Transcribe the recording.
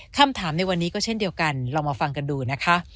คำถามในวันนี้ก็เช่นเดียวกันลองมาฟังกันดูนะคะ